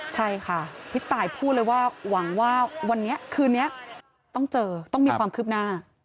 ใช่ค่ะพี่ตายพูดเลยว่าหวังว่าวันนี้คืนนี้ต้องเจอต้องมีความคืบหน้า